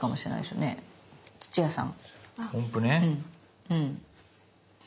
うん。